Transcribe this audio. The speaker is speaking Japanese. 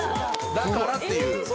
だからっていう。